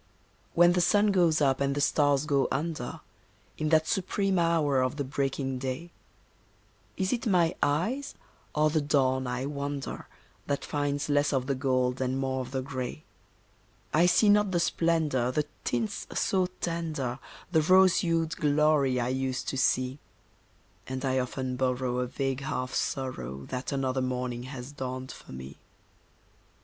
When the sun goes up, and the stars go under, In that supreme hour of the breaking day, Is it my eyes, or the dawn, I wonder, That finds less of the gold, and more of the gray I see not the splendour, the tints so tender, The rose hued glory I used to see; And I often borrow a vague half sorrow That another morning has dawned for me.